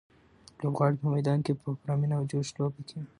لوبغاړي په میدان کې په پوره مینه او جوش لوبه کوي.